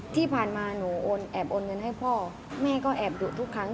ที่ผ่านมาหนูแอบโอนเงินให้พ่อแม่ก็แอบดุทุกครั้ง